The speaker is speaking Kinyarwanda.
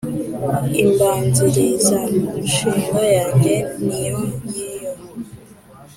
imbanzirizamushinga yange niyongiyo,